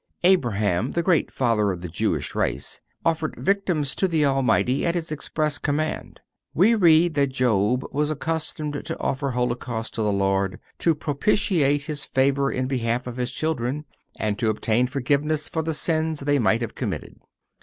(389) Abraham, the great father of the Jewish race, offered victims to the Almighty at His express command.(390) We read that Job was accustomed to offer holocausts to the Lord, to propitiate His favor in behalf of his children, and to obtain forgiveness for the sins they might have committed.